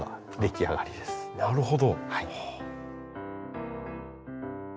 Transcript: あなるほど。